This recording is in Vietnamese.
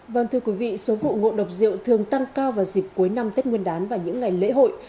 vâng thưa quý vị số vụ ngộ độc rượu thường tăng cao vào dịp cuối năm tết nguyên đán và những ngày lễ hội